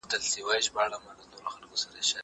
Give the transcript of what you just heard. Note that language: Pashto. زه پرون لاس پرېولم وم!؟